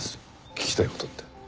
聞きたい事って。